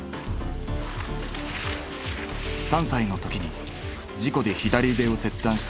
３歳の時に事故で左腕を切断した新田。